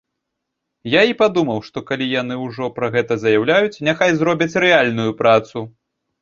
Я і падумаў, што, калі яны ўжо пра гэта заяўляюць, няхай зробяць рэальную працу.